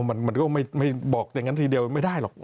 มันก็ไม่บอกอย่างนั้นทีเดียวไม่ได้หรอก